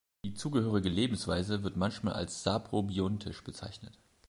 Die zugehörige Lebensweise wird manchmal als saprobiontisch bezeichnet.